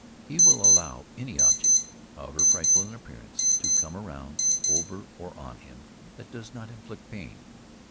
_ He will allow any object, however frightful in appearance, to come around, over or on him, that does not inflict pain.